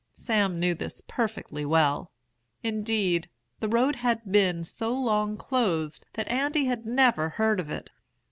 Sam knew this perfectly well; indeed, the road had been so long closed that Andy had never heard of it.